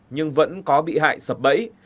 nhưng vẫn có bị hại sập bẫy